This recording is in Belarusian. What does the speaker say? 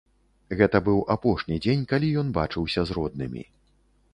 Гэта быў апошні дзень, калі ён бачыўся з роднымі.